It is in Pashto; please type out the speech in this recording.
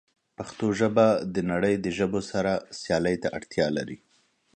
پښتو ژبه د نړۍ د ژبو سره سیالۍ ته اړتیا لري.